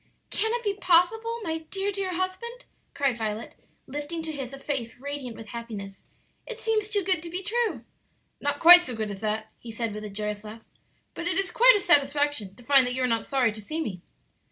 "Can it be possible, my dear, dear husband?" cried Violet, lifting to his a face radiant with happiness. "It seems too good to be true." "Not quite so good as that," he said, with a joyous laugh, "But it is quite a satisfaction to find that you are not sorry to see me."